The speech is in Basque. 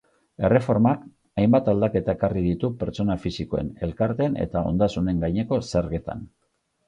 Erreformak hainbat aldaketa ekarriko ditu pertsona fisikoen, elkarteen eta ondasunen gaineko zergetan.